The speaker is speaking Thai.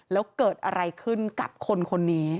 แล้วเกิดอะไรขึ้นกับคนคนนี้